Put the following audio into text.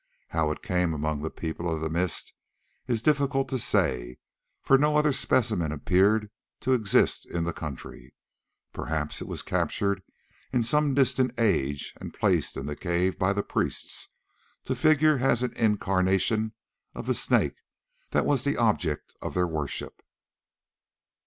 How it came among the People of the Mist is difficult to say, for no other specimen appeared to exist in the country. Perhaps it was captured in some distant age and placed in the cave by the priests, to figure as an incarnation of the Snake that was the object of their worship.